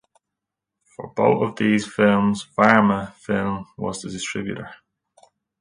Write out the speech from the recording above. For both of these films Varma Films was the distributor.